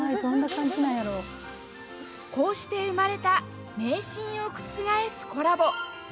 こうして生まれた迷信を覆すコラボ。